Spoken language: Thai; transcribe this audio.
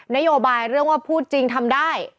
นโยบายเรื่องว่าพูดจริงทำได้